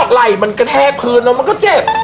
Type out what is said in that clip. ไหล่มันกระแทกพื้นแล้วมันก็เจ็บ